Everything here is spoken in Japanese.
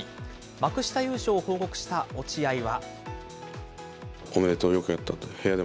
幕下優勝を報告した落合は。